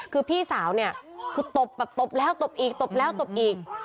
คือพี่สาวเนี่ยคือตบแบบตบแล้วตบอีกตบแล้วตบอีก